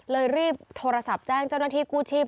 รีบโทรศัพท์แจ้งเจ้าหน้าที่กู้ชีพ